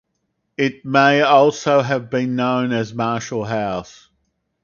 It may also have been known as the Marshall House.